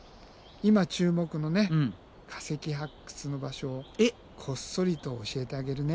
今注目のね化石発掘の場所をこっそりと教えてあげるね。